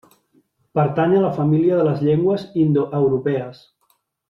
Pertany a la família de les llengües indoeuropees.